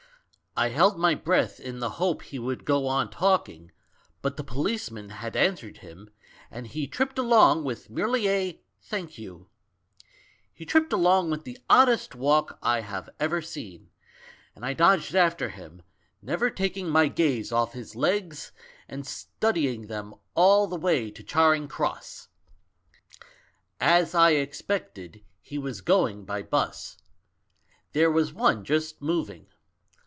I held my breath in the hope he would go on talking, but the policeman had answered him, and he tripped along with merely a 'Thank you.' He ^ripped along with the oddest walk I have ever ^een; and I dodged after him, never taking my 22 THE MAN WHO UNDERSTOOD WOMEN gaze off his legs and studying them all the way to Charing Cross. "As I expected, he was going by bus. There was one just moving.